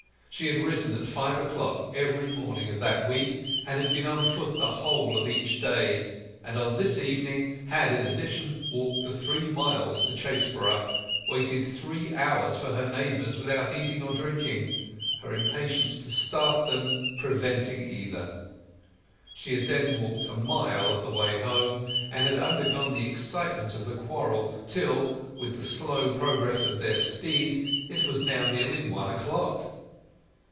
She had risen at five o'clock every morning of that week, had been on foot the whole of each day, and on this evening had in addition walked the three miles to Chaseborough, waited three hours for her neighbours without eating or drinking, her impatience to start them preventing either; she had then walked a mile of the way home, and had undergone the excitement of the quarrel, till, with the slow progress of their steed, it was now nearly one o'clock.